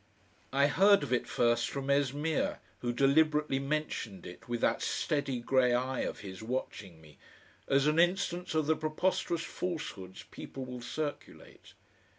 I heard of it first from Esmeer, who deliberately mentioned it, with that steady grey eye of his watching me, as an instance of the preposterous falsehoods people will circulate.